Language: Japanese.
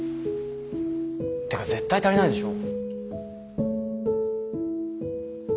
ってか絶対足りないでしょ。